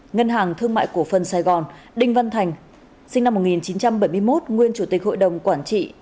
ngân hàng thương mại cổ phân sài gòn đinh văn thành sinh năm một nghìn chín trăm bảy mươi một nguyên chủ tịch hội đồng quản trị